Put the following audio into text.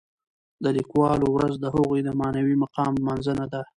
د لیکوالو ورځ د هغوی د معنوي مقام لمانځنه ده.